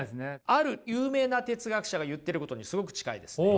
ある有名な哲学者が言ってることにすごく近いですね。